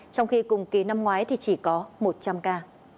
trong khi cùng kỳ năm ngoái thì chỉ có một trăm linh ca